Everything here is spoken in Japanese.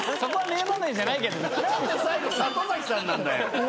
何で最後里崎さんなんだよ！